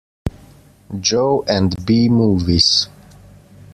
Joe and B movies.